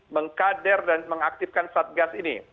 mengkader dan mengaktifkan satgas ini